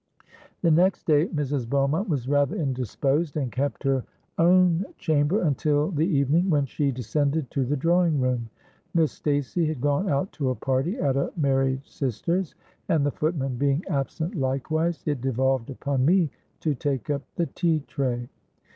"The next day Mrs. Beaumont was rather indisposed, and kept her own chamber until the evening, when she descended to the drawing room. Miss Stacey had gone out to a party at a married sister's; and, the footman being absent likewise, it devolved upon me to take up the tea tray.